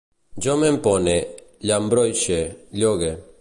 Jo m'empone, llambroixe, llogue